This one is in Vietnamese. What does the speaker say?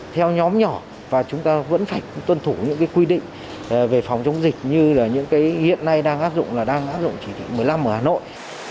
theo nhóm nhỏ và chúng ta vẫn phải tuân thủ những quy định về phòng chống dịch như hiện nay đang áp dụng chỉ được một mươi năm ở hà nội